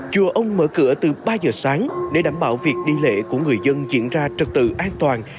chùa ông mở cửa từ ba giờ sáng để đảm bảo việc đi lễ của người dân diễn ra trật tự an toàn